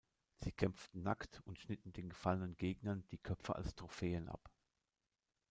Sie kämpften nackt und schnitten den gefallenen Gegnern die Köpfe als Trophäen ab.